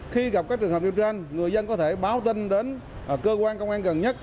khi gặp các trường hợp điều tra người dân có thể báo tin đến cơ quan công an gần nhất